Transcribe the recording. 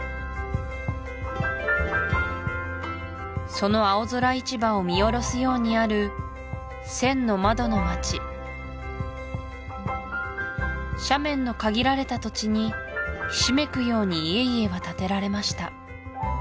その青空市場を見下ろすようにある千の窓の町斜面の限られた土地にひしめくように家々は建てられました